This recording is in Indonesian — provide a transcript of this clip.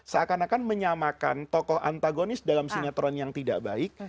seakan akan menyamakan tokoh antagonis dalam sinetron yang tidak baik